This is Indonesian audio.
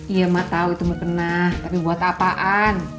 iya mak tau itu mau kena tapi buat apaan